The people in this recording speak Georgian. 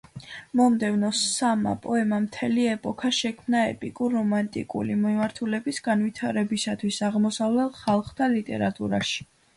მომდევნო სამმა პოემამ მთელი ეპოქა შექმნა ეპიკურ–რომანტიკული მიმართულების განვითარებისათვის აღმოსავლელ ხალხთა ლიტერატურაში.